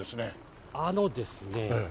あのですね